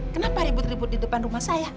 kenapa ribut ribut di depan rumah saya